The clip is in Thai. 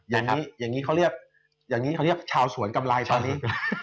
อย่างนี้เขาเรียกชาวสวนกำไรตอนนี้